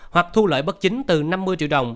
hoặc thu lợi bất chính từ năm mươi triệu đồng